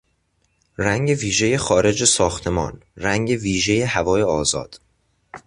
رنگ ویژهی خارج ساختمان، رنگ ویژهی هوای آزاد